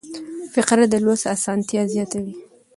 فقره د لوست اسانتیا زیاتوي.